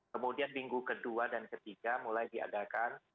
kemudian minggu kedua dan ketiga mulai diadakan